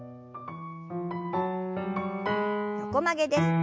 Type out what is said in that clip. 横曲げです。